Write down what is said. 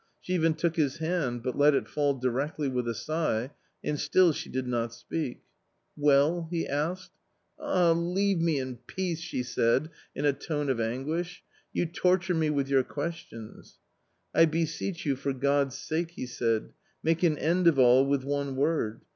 She even took his hand, but let it fall directly with a sigh, and still she did not speak. " Well ?" he asked. " Ah ! leave me in peace !" she said in a tone of anguish, "you torture me with your questions." " I beseech you, for God's sake !" he said, " make an end of all with one word.